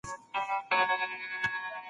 کله مي چي غم وي کتاب لولم.